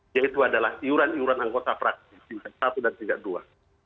yaitu adalah iuran iuran anggota praktik ilka satu dan ilka dua